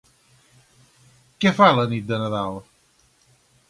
Què fa la nit de Nadal?